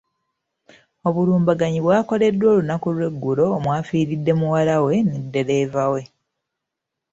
Obulumbaganyi bwakoleddwa olunaku lw’eggulo omwafiiridde muwala we ne ddereeva we.